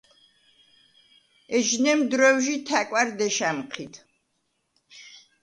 ეჯნემ დრო̈ვჟი თა̈კვა̈რ დეშ ა̈მჴიდ.